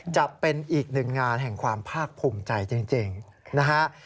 จะเป็นอีกหนึ่งงานแห่งความภาคภูมิใจจริงนะฮะ